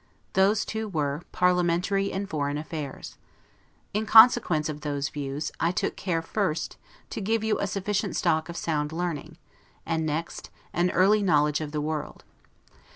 Those two were, parliamentary and foreign affairs. In consequence of those views, I took care, first, to give you a sufficient stock of sound learning, and next, an early knowledge of the world.